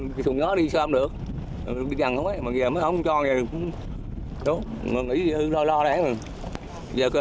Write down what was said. khu bảo tồn biển lý sơn được thực hiện trên phạm vi bảy chín trăm linh hectare với các hoạt động ngăn chặn khai thác trái phép